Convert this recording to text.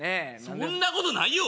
そんなことないよ！